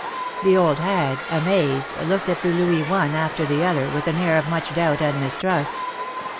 The old hag, amazed, looked at the louis one after the other, with an air of much doubt and mistrust.